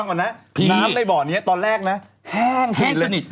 น้ำในบ่อนี้ตอนแรกนะแห้งสิเลย